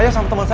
gua duper gila